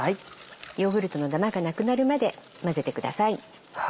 ヨーグルトのダマがなくなるまで混ぜてください。